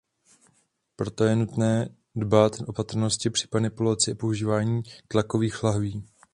Proto je nutné dbát opatrnosti při manipulaci a používání tlakových lahví.